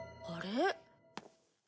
あれ？